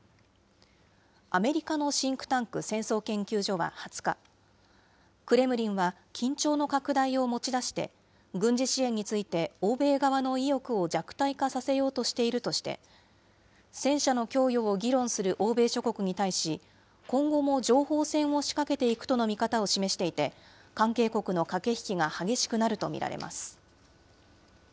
アメリカのシンクタンク、戦争研究所は２０日、クレムリンは緊張の拡大を持ち出して、軍事支援について欧米側の意欲を弱体化させようとしているとして、戦車の供与を議論する欧米諸国に対し、今後も情報戦を仕掛けていくとの見方を示していて、関係国の駆け引きが激しくなると見られています。